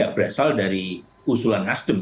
berasal dari usulan nasdem